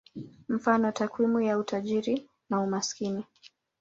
Mfano: takwimu ya utajiri na umaskini.